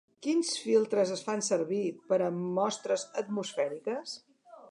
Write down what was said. Quins filtres es fan servir per a mostres atmosfèriques?